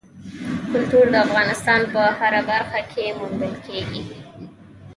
کلتور د افغانستان په هره برخه کې موندل کېږي.